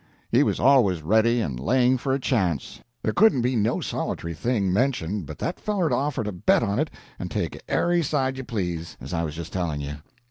He was always ready and laying for a chance; there couldn't be no solit'ry thing mentioned but that feller'd offer to bet on it, and take ary side you please, as I was just telling you.